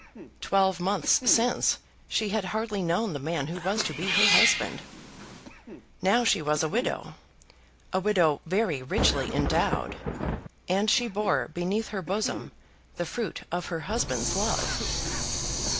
Twelve months since she had hardly known the man who was to be her husband. Now she was a widow, a widow very richly endowed, and she bore beneath her bosom the fruit of her husband's love.